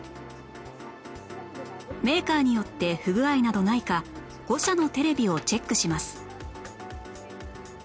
メーカーによって不具合などないか５社のテレビをチェックします